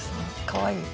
かわいい。